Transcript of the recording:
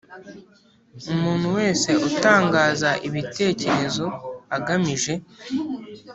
umuntu wese utangaza ibitekerezo agamije